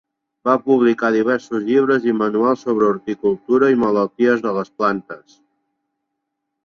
Va publicar diversos llibres i manuals sobre horticultura i malalties de les plantes.